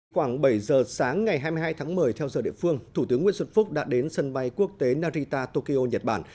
khoảng bảy giờ sáng ngày hai mươi hai tháng một mươi theo giờ địa phương thủ tướng nguyễn xuân phúc đã đến sân bay quốc tế narita tokyo nhật bản